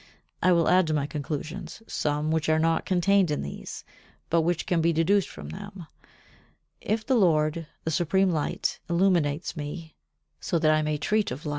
I will add to my conclusions some which are not contained in these, but which can be deduced from them, if the Lord, the Supreme Light, illuminates me, so that I may treat of light.